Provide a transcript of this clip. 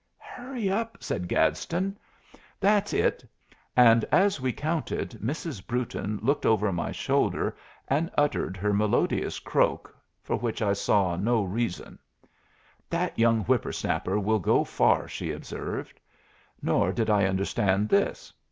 "Hurry up!" said Gadsden; "that's it!" And as we counted, Mrs. Brewton looked over my shoulder and uttered her melodious croak, for which I saw no reason. "That young whipper snapper will go far," she observed; nor did I understand this.